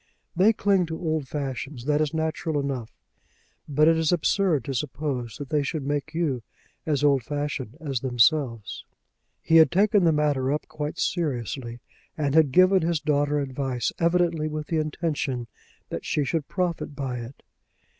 They cling to old fashions. That is natural enough; but it is absurd to suppose that they should make you as old fashioned as themselves." He had taken the matter up quite seriously, and had given his daughter advice evidently with the intention that she should profit by it.